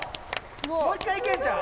もう１回行けんちゃう？